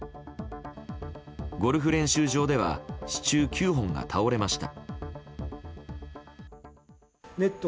ゴルフ練習場では支柱９本が倒れました。